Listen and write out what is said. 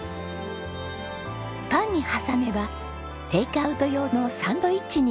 パンに挟めばテイクアウト用のサンドイッチに。